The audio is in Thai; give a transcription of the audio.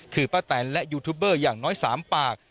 ขือปะแตนและยูทูธูเบอร์อย่างน้อยสามปาก